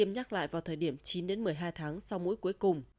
nhắc lại vào thời điểm chín đến một mươi hai tháng sau mũi cuối cùng